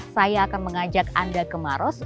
saya akan mengajak anda ke maros